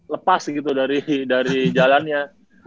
lepas gitu dari jalannya